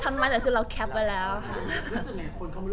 ยังไงคนไม่รู้เราแต่เขามอดาทุกคอมเม้น